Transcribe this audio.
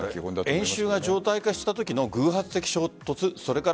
演習が常態化したときの偶発的衝突。